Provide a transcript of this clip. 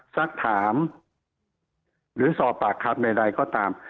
สักถามหรือสอบปากคำใดก็ตาม